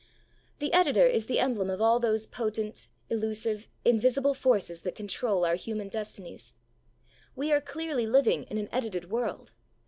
The editor is the emblem of all those potent, elusive, invisible forces that control our human destinies. We are clearly living in an edited world.